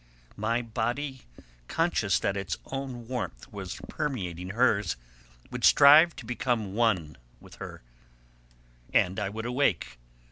My body, conscious that its own warmth was permeating hers, would strive to become one with her, and I would awake.